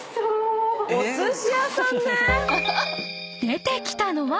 ［出てきたのは］